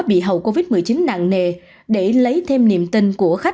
bị hậu covid một mươi chín nạn nề để lấy thêm niềm tin